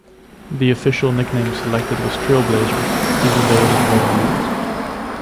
The official nickname selected was Trailblazers even though it is rarely used.